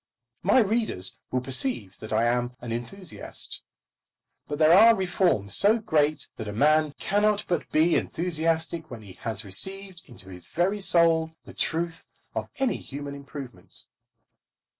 My readers will perceive that I am an enthusiast. But there are reforms so great that a man cannot but be enthusiastic when he has received into his very soul the truth of any human improvement.